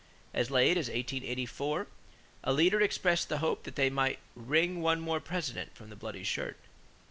As late as 1884, a leader expressed the hope that they might "wring one more President from the bloody shirt."